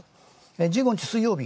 １５日水曜日。